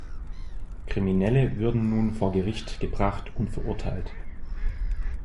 Kriminelle würden nun vor Gericht gebracht und verurteilt.